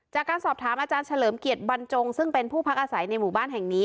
จากการสอบถามอาจารย์เฉลิมเกียรติบรรจงซึ่งเป็นผู้พักอาศัยในหมู่บ้านแห่งนี้